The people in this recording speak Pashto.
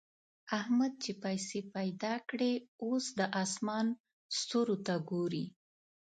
احمد چې پيسې پیدا کړې؛ اوس د اسمان ستورو ته ګوري.